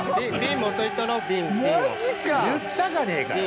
言ったじゃねえか。